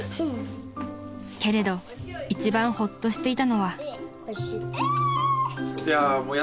［けれど一番ほっとしていたのは］